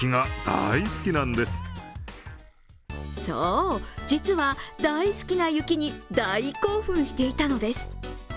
そう、実は大好きな雪に大興奮していたのです。